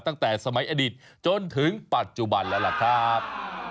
ตั้งแต่สมัยอดีตจนถึงปัจจุบันแล้วล่ะครับ